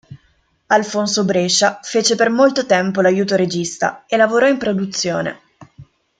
Alfonso Brescia fece per molto tempo l'aiuto regista e lavorò in produzione.